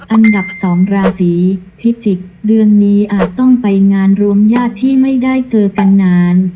อันดับสองราศีพิศจิติส์เรื่องนี้อาจต้องไปงานรวมย่าที่ไม่ได้เจอกันนาน